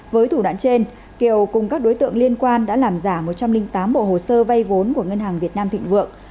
với thủ đoạn trên kiều cùng các đối tượng liên quan đã làm giả một trăm linh tám bộ hồ sơ vay vốn của ngân hàng việt nam thịnh vượng